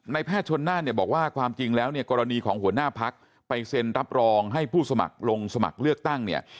แพทย์ชนน่านเนี่ยบอกว่าความจริงแล้วเนี่ยกรณีของหัวหน้าพักไปเซ็นรับรองให้ผู้สมัครลงสมัครเลือกตั้งเนี่ย